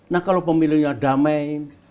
nah kalau pemilihnya damai